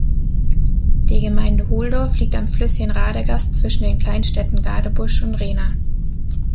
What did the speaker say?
Die Gemeinde Holdorf liegt am Flüsschen Radegast zwischen den Kleinstädten Gadebusch und Rehna.